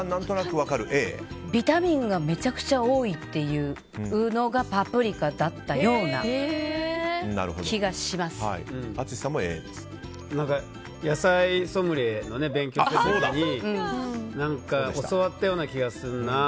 ビタミンがめちゃくちゃ多いのがパプリカだったような気がします。